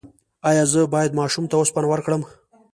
ایا زه باید ماشوم ته اوسپنه ورکړم؟